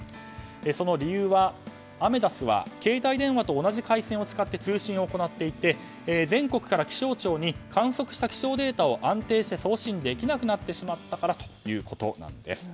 その理由はアメダスは携帯電話と同じ回線を使って通信を行っていて全国から気象庁に観測した気象データを安定して送信できなくなってしまったからということです。